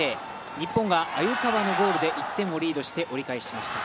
日本が鮎川のゴールで１点をリードして前半を終えました。